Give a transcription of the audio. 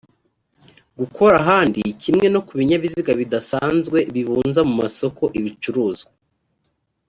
gukora ahandi kimwe no ku binyabiziga bidasanzwe bibunza mu masoko ibicuruzwa